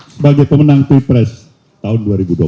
sebagai pemenang pilpres tahun dua ribu dua puluh empat